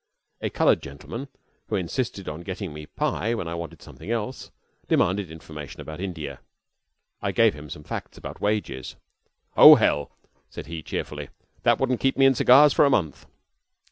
A colored gentleman who insisted on getting me pie when I wanted something else, demanded information about India. I gave him some facts about wages. "Oh, hell!" said he, cheerfully, "that wouldn't keep me in cigars for a month."